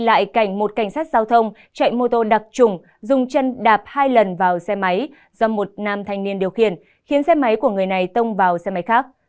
ghi lại cảnh một cảnh sát giao thông chạy mô tô đặc trủng dùng chân đạp hai lần vào xe máy do một nam thanh niên điều khiển khiến xe máy của người này tông vào xe máy khác